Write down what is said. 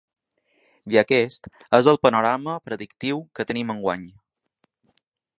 I aquest és el panorama predictiu que tenim enguany.